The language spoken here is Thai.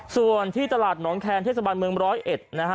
ส่วนที่ตลาดหนองแคนเทศบาลเมือง๑๐๑